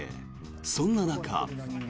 そんな中。